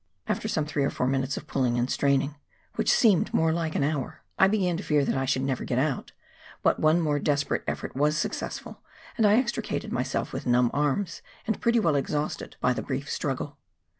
After some three or four minutes of pulling and straining — which seemed more like an hour — I began to fear that I should never get out, but one more desperate effort was successful, and I extricated myself with numb arms and pretty well exhausted by the brief struggle.